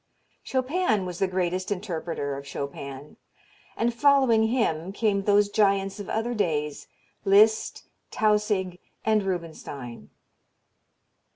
Chopin was the greatest interpreter of Chopin, and following him came those giants of other days, Liszt, Tausig, and Rubinstein.